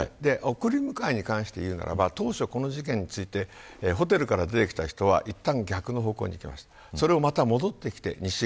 送り迎えに関して言うならば当初、この事件についてホテルから出てきた人はいったん逆の方向に行きました。